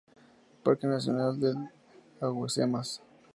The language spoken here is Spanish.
Parque Nacional de Alhucemas